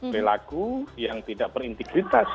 relaku yang tidak berintegritas